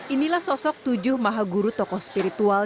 inilah sosok tujuh maha guru tokoh spiritual